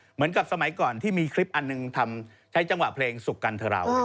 เหมือนความสมัยก่อนที่มีคลิปอ่านนึงใช้จังหวะเพลงสุกกันเถาร้าว